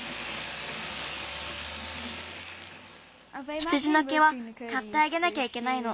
羊のけはかってあげなきゃいけないの。